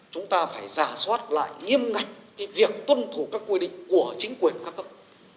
chúng ta phải giả soát lại nghiêm ngạch việc tuân thủ các quy định của chính quyền ca cấp